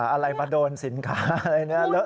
อะไรมาโดนสินค้าอะไรเนี่ย